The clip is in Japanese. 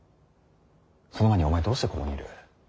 その前にお前どうしてここにいる。